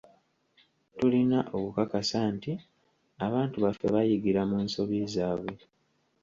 Tulina okukakasa nti abantu baffe bayigira mu nsobi zaabwe.